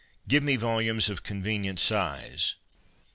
Give me volumes of convenient size.